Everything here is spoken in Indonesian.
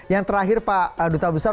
yang terakhir pak duta besar